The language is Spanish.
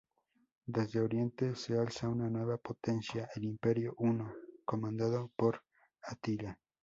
Desde Oriente se alza una nueva potencia: el imperio huno comandado por Atila.